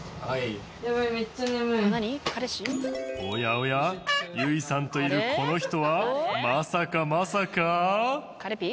おやおやゆいさんといるこの人はまさかまさか。